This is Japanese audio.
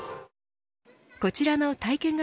こちらの体験型